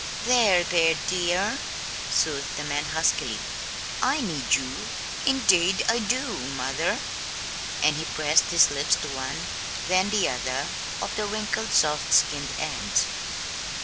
"There, there, dear," soothed the man huskily. "I need you, indeed I do, mother." And he pressed his lips to one, then the other, of the wrinkled, soft skinned hands.